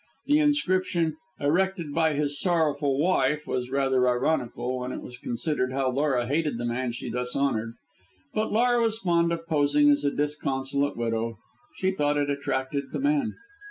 The inscription, "Erected by his sorrowful wife," was rather ironical, when it was considered how Laura hated the man she thus honoured. But Laura was fond of posing as a disconsolate widow. She thought it attracted the men.